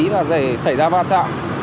và xảy ra va chạm